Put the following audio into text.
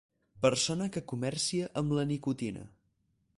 Persona que comercia amb la nicotina.